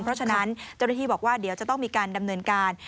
เพราะฉะนั้นเจ้าหน้าที่บอกว่าเดี๋ยวจะต้องมีการดำเนินการ